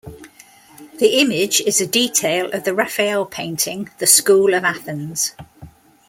The image is a detail of the Raphael painting "The School of Athens".